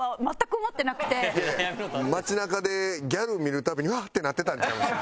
街中でギャル見る度に「うわっ！」ってなってたんちゃうの？